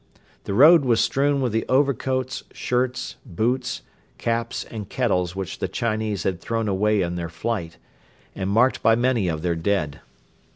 The road was strewn with the overcoats, shirts, boots, caps and kettles which the Chinese had thrown away in their flight; and marked by many of their dead.